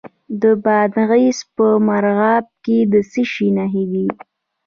د بادغیس په مرغاب کې د څه شي نښې دي؟